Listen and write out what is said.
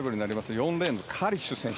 ４レーンのカリシュ選手。